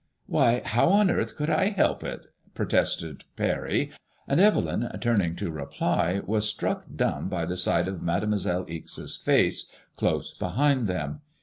Why how on earth could I help it ?" protested Parry ; and Evelyn, turning to reply, was struck dumb by the sight of Mademoiselle Ixe*s face, close behind them.